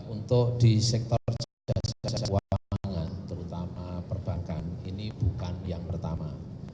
untuk di sektor jasa keuangan terutama perbankan ini bukan yang pertama